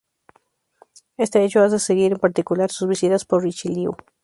Este hecho hace seguir en particular sus visitas por Richelieu.